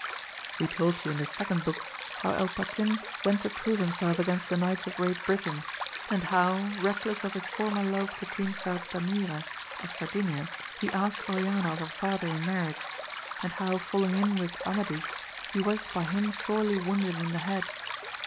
We told you in the second book how El Patin went to prove himself against the knights of Great Britain, and how reckless of his former love to Queen Sardamira, of Sardinia, he asked Oriana of her father in marriage, and how falling in with Amadis he was by him sorely wounded in the head.